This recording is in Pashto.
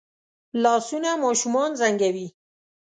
لاسونه ماشومان زنګوي